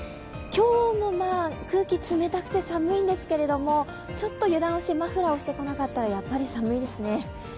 今日も空気、冷たくて寒いんですけれどもちょっと油断をしてマフラーをしてこなかったら、やはり寒いですね。